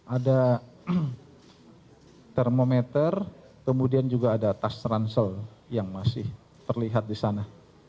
ada termometer kemudian juga ada tas ransel yang masih terlihat di sana